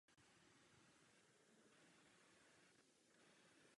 Nachází se zde nejvýše položená meteorologická stanice na Slovensku.